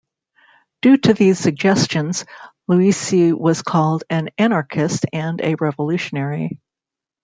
Due to these suggestions, Luisi was called an anarchist and a revolutionary.